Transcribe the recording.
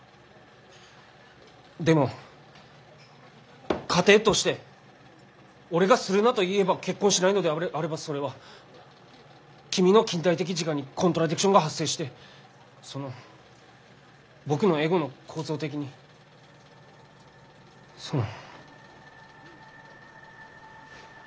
でも仮定として俺が「するな」と言えば結婚しないのであればそれは君の近代的自我にコントラディクションが発生してその僕のエゴの構造的にその。